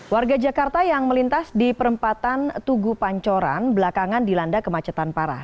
warga jakarta yang melintas di perempatan tugu pancoran belakangan dilanda kemacetan parah